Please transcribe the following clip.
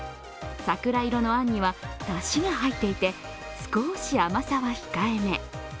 桜色のあんには、だしが入っていて少し甘さは控えめ。